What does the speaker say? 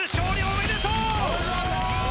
おめでとう！